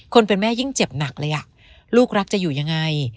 คนเป็นแม่ยิ่งเจ็บหนักเลยลูกรักจะอยู่ยังไง